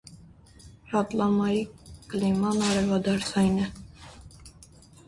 Ռատլամայի կլիման արևադարձային է։